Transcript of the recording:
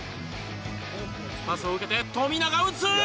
パスを受けて富永打つ！